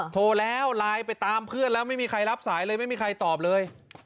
โทรแล้วไลน์ไปตามเพื่อนแล้วไม่มีใครรับสายเลยไม่มีใครตอบเลย